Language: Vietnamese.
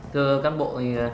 thưa cán bộ